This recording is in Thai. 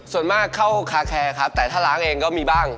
ส่วนมากเข้าคาแคร์ครับแต่ถ้าล้างเองก็มีบ้าง